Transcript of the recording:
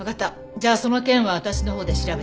じゃあその件は私のほうで調べてみる。